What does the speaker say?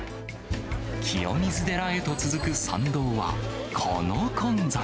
清水寺へと続く参道はこの混雑。